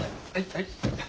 はい。